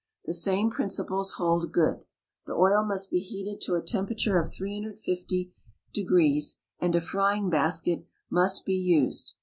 The same principles hold good. The oil must be heated to a temperature of 350 degrees, and a frying basket must be used.